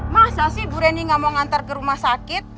masa sih bu reni nggak mau ngantar ke rumah sakit